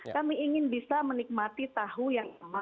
kami ingin bisa menikmati tahu yang sama